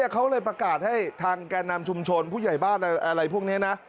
เขาเลยประกาศให้ทางแก่นำชุมชนผู้ใหญ่บ้านอะไรพวกนี้นะ